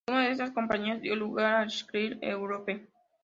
La suma de estas compañías dio lugar a Chrysler Europe.